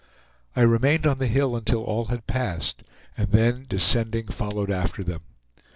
I remained on the hill until all had passed, and then, descending, followed after them.